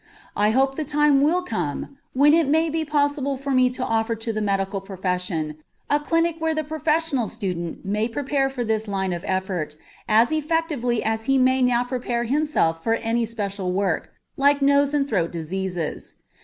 I hope the time will come when it may be possible for me to offer to the medical profession a clinic where the professional student may prepare for this line of effort as effectively as he may now prepare himself for any special work, like nose and throat diseases.